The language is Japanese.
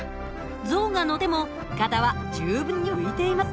象が乗ってもいかだは十分に浮いています。